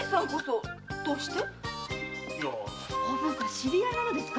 知り合いですか？